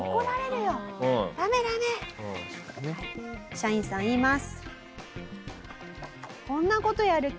社員さん言います。